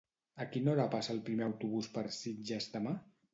A quina hora passa el primer autobús per Sitges demà?